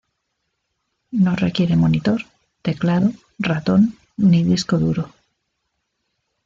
No requiere monitor, teclado, ratón ni disco duro.